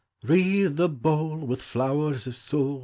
Wreathe the bowl With flowers of soul.